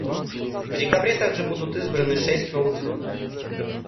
В декабре также будут избраны шесть новых судей.